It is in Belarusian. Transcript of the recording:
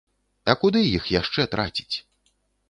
А куды іх яшчэ траціць?